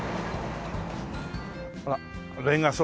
ほらレンガ倉庫。